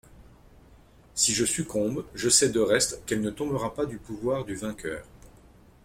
Si je succombe, je sais de reste qu'elle ne tombera pas du pouvoir du vainqueur.